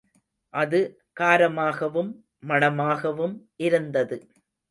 அது காரமாகவும் மணமாகவும் இருந்தது.